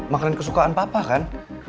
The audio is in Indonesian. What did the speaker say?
makanan kesukaan papa kan